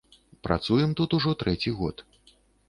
Працуем тут ужо трэці год.